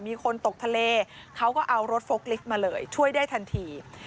มีคนตกทะเลเขาก็เอารถโฟกลิฟต์มาเลยช่วยได้ทันที